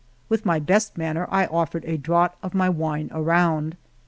With my best manner I offered a draught of my wine around.